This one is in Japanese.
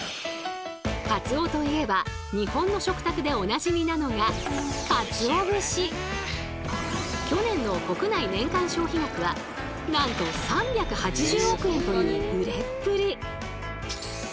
カツオといえば日本の食卓でおなじみなのが去年の国内年間消費額はなんと３８０億円という売れっぷり！